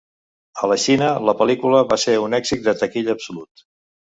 A la Xina, la pel·lícula va ser un èxit de taquilla absolut.